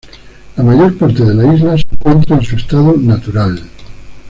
La mayor parte de la isla se encuentra en su estado natural.